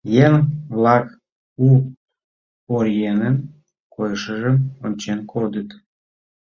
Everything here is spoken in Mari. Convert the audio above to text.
Еҥ-влак у оръеҥын койышыжым ончен кодыт.